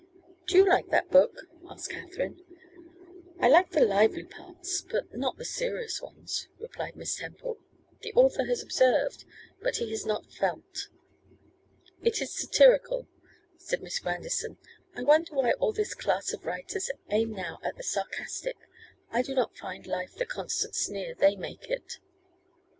'Do you like that book?' said Katherine. 'I like the lively parts, but not the serious ones,' replied Miss Temple; 'the author has observed but he has not felt.' 'It is satirical,' said Miss Grandison; 'I wonder why all this class of writers aim now at the sarcastic. I do not find life the constant sneer they make it.